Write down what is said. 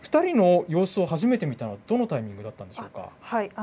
２人の様子を初めて見たのはどのタイミングだったんでしょうか。